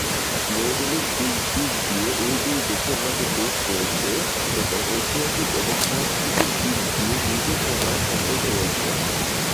ভৌগোলিক দিক দিক দিয়ে এই দুই দেশের মাঝে বেশ রয়েছে এবং ঐতিহাসিক এবং সাংস্কৃতিক দিক দিয়ে দীর্ঘ সময়ের সম্পর্ক রয়েছে।